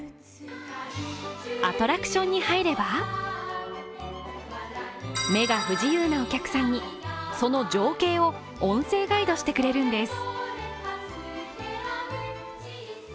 アトラクションに入れば目が不自由なお客さんにその情景を音声ガイドしてくれるんです。